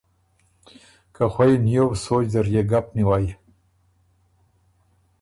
که خوئ نیوو سوچ زر يې ګپ نیوی۔